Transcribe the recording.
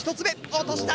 落とした。